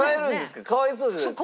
かわいそうじゃないですか。